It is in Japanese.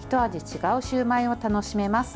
違うシューマイを楽しめます。